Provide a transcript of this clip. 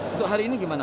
untuk hari ini gimana